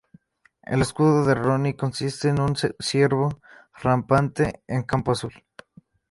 El escudo del "rione" consiste en un ciervo rampante en campo azul.